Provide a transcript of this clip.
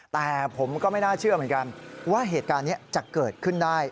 แต่ผมก็ไม่น่าเชื่อเหมือนกันว่าเหตุการณ์นี้จะเกิดขึ้นได้